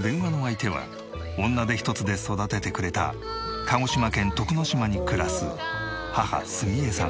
電話の相手は女手ひとつで育ててくれた鹿児島県徳之島に暮らす母住英さん。